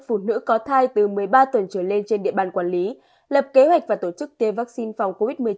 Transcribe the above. phụ nữ có thai từ một mươi ba tuần trở lên trên địa bàn quản lý lập kế hoạch và tổ chức tiêm vaccine phòng covid một mươi chín